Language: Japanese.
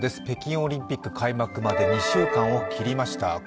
北京オリンピック開幕まで２週間を切りました。